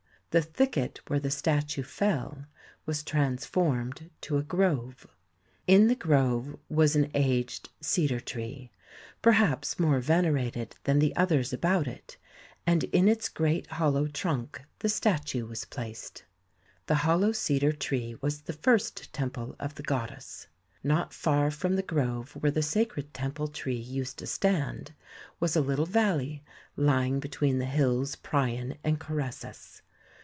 The thicket where the statue fell was transformed to a grove. In the grove was an aged cedar tree, perhaps more venerated than the others about it, and in its great IC4 THE SEVEN WONDERS hollow trunk the statue was placed. The hollow cedar tree was the first temple of the goddess. Not far from the grove where the sacred temple tree used to stand, was a little valley lying be tween the hills Prion and Coressus.